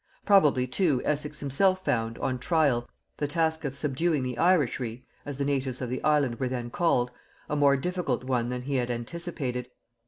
Probably, too, Essex himself found, on trial, the task of subduing the Irishry (as the natives of the island were then called) a more difficult one than he had anticipated.